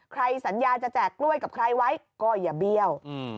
ใครสัญญาจะแจกกล้วยกับใครไว้ก็อย่าเบี้ยว